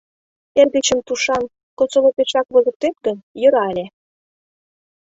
— Эргычым тушан, Косолопешак, возыктет гын, йӧра ыле.